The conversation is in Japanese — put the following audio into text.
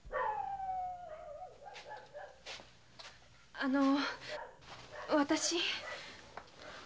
あのゥ私。